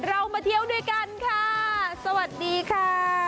มาเที่ยวด้วยกันค่ะสวัสดีค่ะ